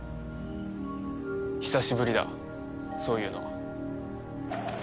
久しぶりだそういうのは。